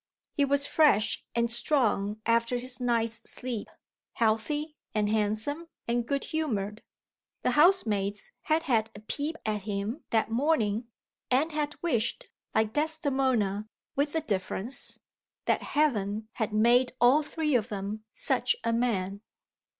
He was fresh and strong after his night's sleep healthy and handsome and good humored. The house maids had had a peep at him that morning, and had wished like Desdemona, with a difference that "Heaven had made all three of them such a man."